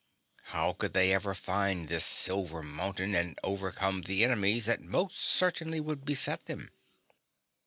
How could they ever find this Silver Mountain and overcome the enemies that most certainly would beset them?